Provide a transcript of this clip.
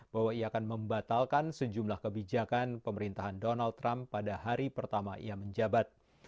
bahwa ia akan membatalkan sejumlah kebijakan pemerintahan donald trump pada hari pertama ia menjabat